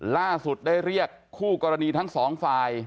ล่าสุดได้เรียกคู่กรณีทั้งสองฝ่าย